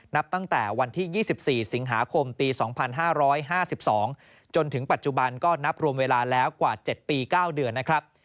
นับตั้งแต่วันที่๒๔สิงหาคมปี๒๕๕๒จนถึงปัจจุบันก็นับรวมเวลาแล้วกว่า๗ปี๙เดือนนะครับ